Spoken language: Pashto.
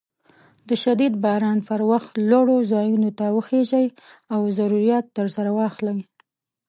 د شديد باران پر وخت لوړو ځايونو ته وخېژئ او ضروريات درسره واخلئ.